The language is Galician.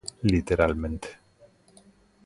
Literalmente.